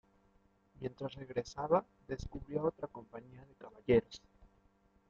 Mientras regresaba, descubrió a otra compañía de Caballeros.